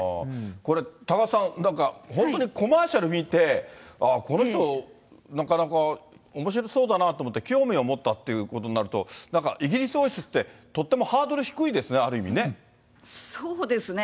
これ、多賀さん、なんか本当にコマーシャル見て、ああ、この人なかなかおもしろそうだなと思って興味を持ったっていうことになると、なんかイギリス王室って、とってもハードル低いですそうですね。